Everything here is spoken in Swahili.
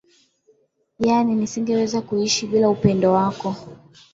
yaani nisingeweza kuishi bila upendo wako